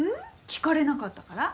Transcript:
聞かれなかったから。